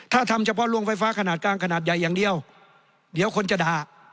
ถ้าทำเฉพาะโรงไฟฟ้าขนาดกลางขนาดใหญ่อย่างเดียวเดี๋ยวคนจะด่า